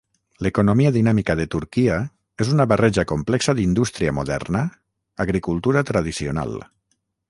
L'economia dinàmica de Turquia és una barreja complexa d'indústria moderna, agricultura tradicional.